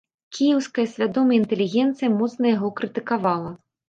Кіеўская свядомая інтэлігенцыя моцна яго крытыкавала.